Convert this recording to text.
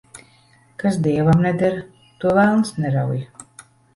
Kas dievam neder, to velns nerauj.